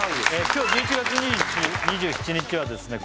今日１１月２７日はですね